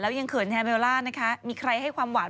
ยังเขินแทนเบลล่านะคะมีใครให้ความหวาน